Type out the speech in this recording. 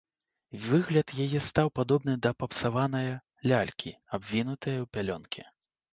Выгляд яе стаў падобны да папсаванае лялькі, абвінутае ў пялёнкі.